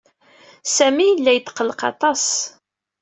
Sami yella yetqelleq aṭas.